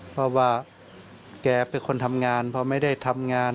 เพราะว่าแกเป็นคนทำงานเพราะไม่ได้ทำงาน